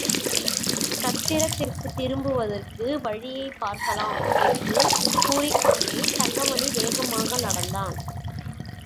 சத்திரத்திற்குத் திரும்புவதற்கு வழியைப் பார்க்கலாம் என்று கூறிக்கொண்டே தங்கமணி வேகமாக நடந்தான்.